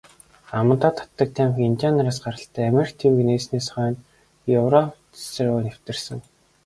Амандаа татдаг тамхи индиан нараас гаралтай, Америк тивийг нээснээс хойно Еврази руу нэвтэрсэн.